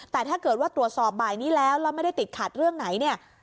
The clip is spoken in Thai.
แต่ถ้าเกิดว่าตรวจสอบบ่ายนี้แล้วแล้วไม่ได้ติดขัดเรื่องไหนเนี่ย